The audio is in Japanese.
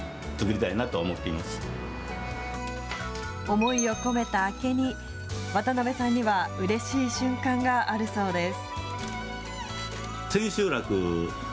思いを込めた明け荷、渡邉さんには、うれしい瞬間があるそうです。